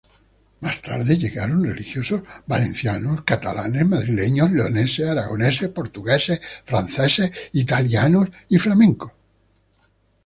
Más tarde llegaron religiosos valencianos, catalanes, madrileños, leoneses, aragoneses, portugueses, franceses, italianos y flamencos.